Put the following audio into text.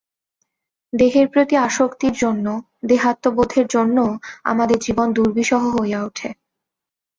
দেহের প্রতি আসক্তির জন্য, দেহাত্মবোধের জন্য আমাদের জীবন দুর্বিষহ হইয়া ওঠে।